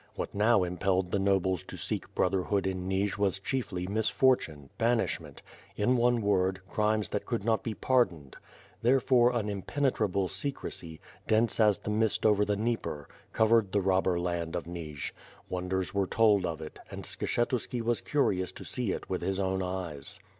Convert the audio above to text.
What now impelled the nobles to seek brotherhood in Nij was chiefly misfortune, banishment; in one word, crimes that could not be pardoned. Therefore, an impenetrable secrecy, dense as the mist over I04 WITH FIRE AND SWORD. the Dnieper, covered the robber land of Nij. Wonders were told of it, and Skshetuski was curious to see it with his own eyes.